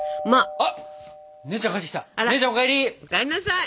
お帰りなさい。